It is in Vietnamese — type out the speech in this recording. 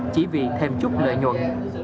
chỉ vì thêm chút lợi nhuận